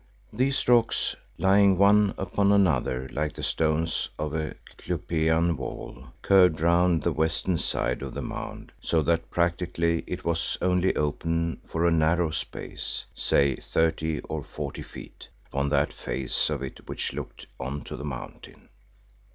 These rocks, lying one upon another like the stones of a Cyclopean wall, curved round the western side of the mound, so that practically it was only open for a narrow space, say thirty or forty feet, upon that face of it which looked on to the mountain.